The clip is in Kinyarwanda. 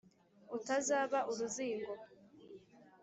Utazaba uruzingo